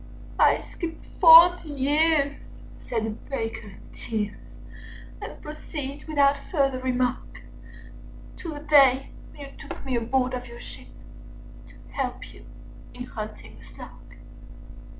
"I skip forty years," said the Baker, in tears, Â Â Â Â "And proceed without further remark To the day when you took me aboard of your ship Â Â Â Â To help you in hunting the Snark.